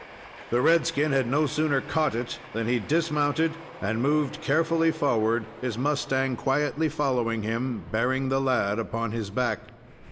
The red skin had no sooner caught it than he dismounted and moved carefully forward, his mustang quietly following him, bearing the lad upon his back.